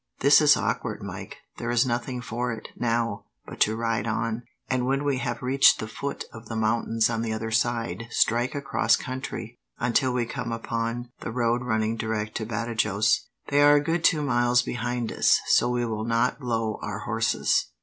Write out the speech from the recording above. "This is awkward, Mike. There is nothing for it, now, but to ride on, and when we have reached the foot of the mountains on the other side, strike across country until we come upon the road running direct to Badajos. They are a good two miles behind us, so we need not blow our horses."